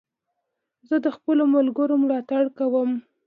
زه د خپلو ملګرو ملاتړ کوم.